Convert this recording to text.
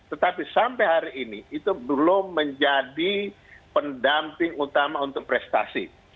tetapi sampai hari ini itu belum menjadi pendamping utama untuk prestasi